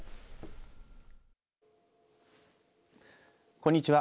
こんにちは。